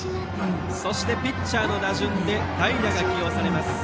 そしてピッチャーの打順で代打が起用されます。